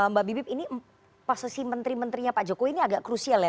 mbak bibip ini posisi menteri menterinya pak jokowi ini agak krusial ya